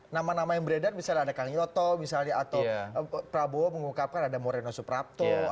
nama nama yang beredar misalnya ada kang yoto misalnya atau prabowo mengungkapkan ada moreno suprapto